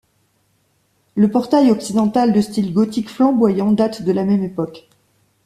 Le portail occidental de style gothique flamboyant date de la même époque.